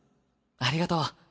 ありがとう。